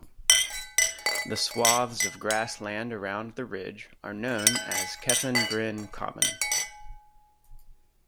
The swathes of grassland around the ridge are known as "Cefn Bryn Common".